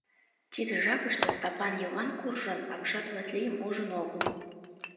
Тиде жапыште Стапан Йыван куржын, апшат Васлийым ужын огыл.